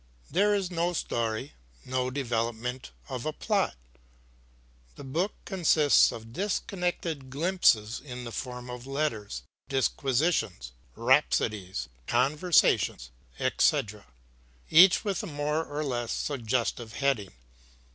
There is no story, no development of a plot. The book consists of disconnected glimpses in the form of letters, disquisitions, rhapsodies, conversations, etc., each with a more or less suggestive heading.